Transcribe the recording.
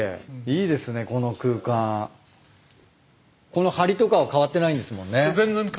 この梁とかは変わってないんですもんね。